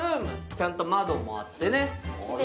ちゃんと窓もあってね。